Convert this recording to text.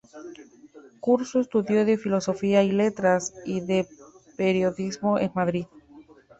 Cursó estudios de Filosofía y Letras, y de Periodismo en Madrid.